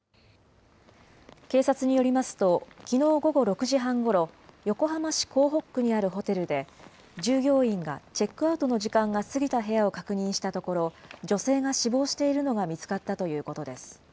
警察によりますと、きのう午後６時半ごろ、横浜市港北区にあるホテルで、従業員がチェックアウトの時間が過ぎた部屋を確認したところ、女性が死亡しているのが見つかったということです。